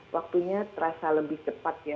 waktunya terasa lebih cepat ya